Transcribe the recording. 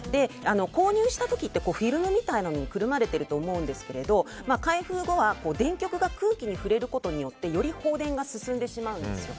購入した時って、フィルムにくるまれてると思うんですけど開封後は電極が空気に触れることによってより放電が進んでしまうんですよ。